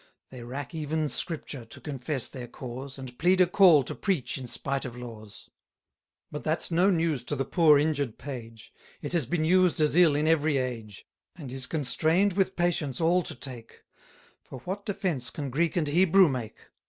They rack even Scripture to confess their cause, And plead a call to preach in spite of laws. But that's no news to the poor injured page; It has been used as ill in every age, And is constrain'd with patience all to take: 160 For what defence can Greek and Hebrew make?